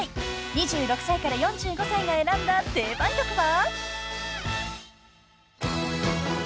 ［２６歳から４５歳が選んだ定番曲は？］